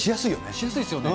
しやすいですよね。